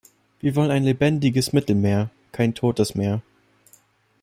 Wir wollen ein lebendiges Mittelmeer, kein totes Meer.